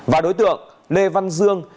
và đối tượng lê văn dương